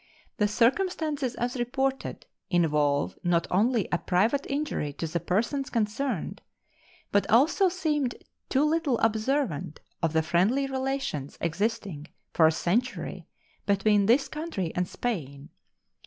The circumstances as reported involve not only a private injury to the persons concerned, but also seemed too little observant of the friendly relations existing for a century between this country and Spain.